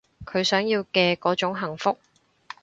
佢想要嘅嗰種幸福